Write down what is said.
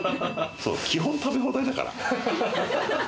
基本食べ放題だから。